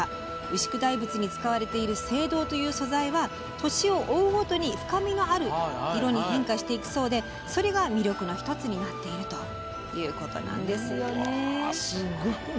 牛久大仏に使われている青銅という素材は年を追うごとに深みのある色に変化していくそうでそれが魅力の１つになっているということなんです。